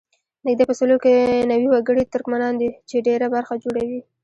نږدې په سلو کې نوي وګړي یې ترکمنان دي چې ډېره برخه جوړوي.